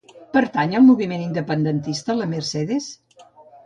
Pertany al moviment independentista la Mercedes?